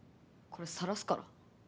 これさらすから。